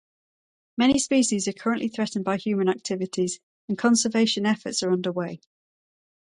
Many species are currently threatened by human activities, and conservation efforts are under way.